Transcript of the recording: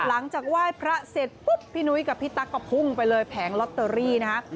หลังจากไหว้พระเสร็จปุ๊บพี่นุ้ยกับพี่ตั๊กก็พุ่งไปเลยแผงลอตเตอรี่นะฮะ